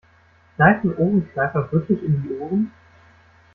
Kneifen Ohrenkneifer wirklich in die Ohren?